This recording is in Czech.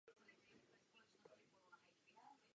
Nejbližší vlaková stanice je Bystřice nad Pernštejnem.